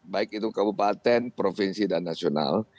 baik itu kabupaten provinsi dan nasional